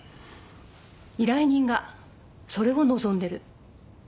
依頼人がそれを望んでる。